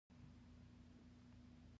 مړه ته د قبر د رڼا سوال کوو